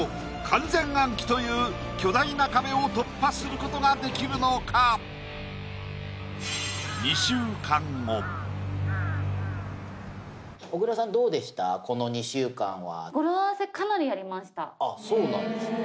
完全暗記という巨大な壁を突破することができるのか⁉小倉さんあっそうなんですね